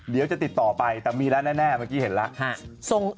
เดี๋ยวจะติดต่อไปแต่มีแล้วแน่เมื่อกี้เห็นแล้ว